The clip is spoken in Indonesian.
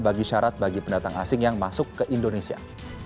bagi syarat bagi pendatang asing yang masuk ke indonesia